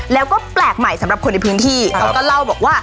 แล้วก็แปลกใหม่สำหรับคนในพื้นที่เขาก็เล่าบอกว่า